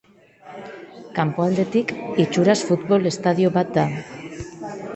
Kanpoaldetik, itxuraz futbol estadio bat da.